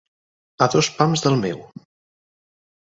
A dos pams del meu.